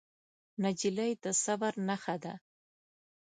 نجلۍ د صبر نښه ده.